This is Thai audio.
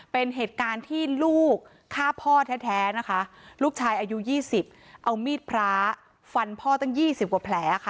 เป็นเหตุการณ์ที่ลูกฆ่าพ่อแท้นะคะลูกชายอายุ๒๐เอามีดพระฟันพ่อตั้ง๒๐กว่าแผลค่ะ